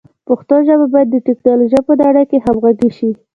پښتو ژبه باید د ټکنالوژۍ په نړۍ کې همغږي شي.